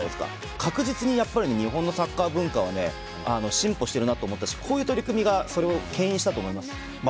確実に日本のサッカー文化は進歩してるなと思ったしこういう取り組みがそれをけん引したと思います。